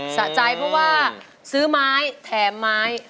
สะใจเพราะว่าซื้อไม้แถมไม้